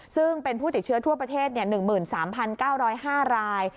ซึ่งเป็นผู้ติดเชื้อทั่วประเทศ๑๓๙๐๕ราย